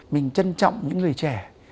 mình trân trọng những người trẻ